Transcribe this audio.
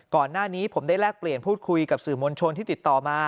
ก่อนหน้านี้ผมได้แลกเปลี่ยนพูดคุยกับสื่อมวลชนที่ติดต่อมา